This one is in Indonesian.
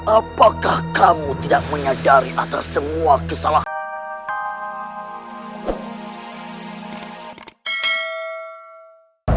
apakah kamu tidak menyadari atas semua kesalahan